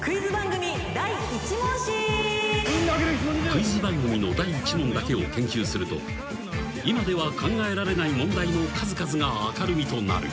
［クイズ番組の第１問だけを研究すると今では考えられない問題の数々が明るみとなる］